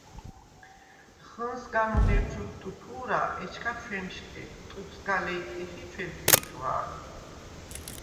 ხჷნსგანუნ ერ ჩოთტუფუ̄რა, ეჩქა ჩვემშყედ, ტუფ სგა ლეჲტიხ ი ჩვედი̄ტვა̄ნ.